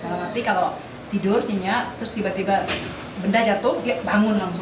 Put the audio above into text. berarti kalau tidur nyinyak terus tiba tiba benda jatuh ya bangun langsung